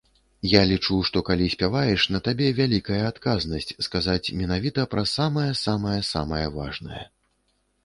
Я лічу, што, калі спяваеш, на табе вялікая адказнасць, сказаць менавіта пра самае-самае-самае важнае.